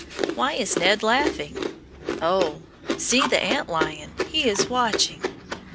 Why is Ned laughing? Oh, see the ant lion he is watching!